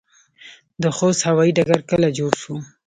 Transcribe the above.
د خوست هوايي ډګر کله جوړ شو؟